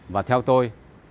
và theo tôi